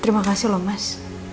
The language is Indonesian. terima kasih loh mas